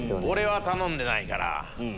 俺は頼んでないから。